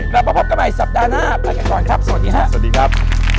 เราพบกันใหม่สัปดาห์หน้าไปกันก่อนครับสวัสดีครับ